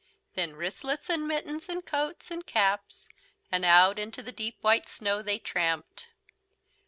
Then wristlets and mittens and coats and caps, and out into the deep white snow they tramped.